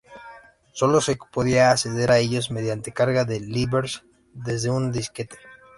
Solo se podía acceder a ellos mediante carga de drivers desde un disquete.